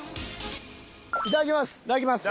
いただきます！